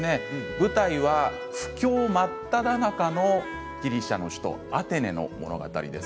舞台は不況真っただ中のギリシャの首都アテネの物語です。